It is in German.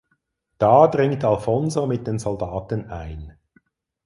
Da dringt Alfonso mit den Soldaten ein.